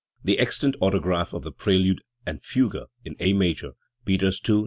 The extant autograph of the prelude and fugue in A major (Peters II, No.